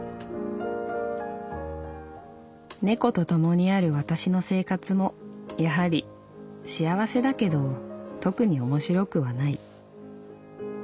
「猫と共にある私の生活もやはり幸せだけど特におもしろくはない」。